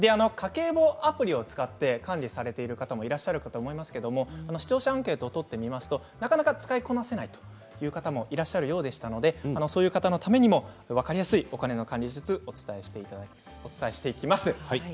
家計簿アプリを使って管理されている方もいらっしゃるかと思いますが視聴者アンケートを取ってみますとなかなか使いこなせないという方もいらっしゃるようでしたのでそういう方のためにも分かりやすいお金の管理術をお伝えしていきます。